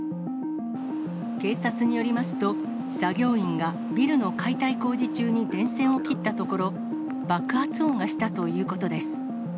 警察によりますと、作業員がビルの解体工事中に電線を切ったところ、爆発音がしたということです。